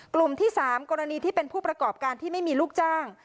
กลุ่มที่๓กรณีที่เป็นผู้ประกอบการที่ไม่มีลูกจ้าง